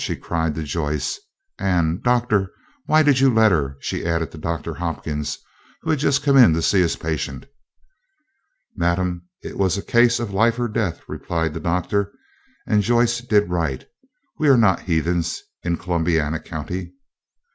she cried to Joyce; and "Doctor, why did you let her?" she added to Doctor Hopkins, who had just come in to see his patient. "Madam, it was a case of life or death," replied the Doctor. "Joyce did right. We are not heathens in Columbiana County."